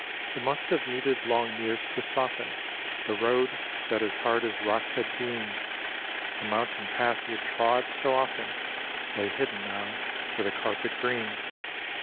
It must have needed long years to soften The road, that as hard as rock had been; The mountain path he had trod so often Lay hidden now with a carpet green.